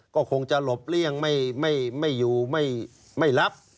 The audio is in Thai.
ก็คงจะหลบเลี่ยงไม่อยู่ไม่รับ